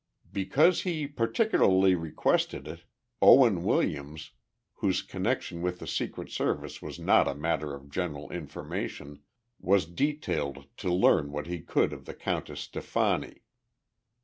Because he particularly requested it, Owen Williams, whose connection with the Secret Service was not a matter of general information, was detailed to learn what he could of the Countess Stefani.